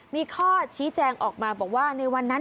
มีข้อชี้แจงออกมาบอกว่าในวันนั้น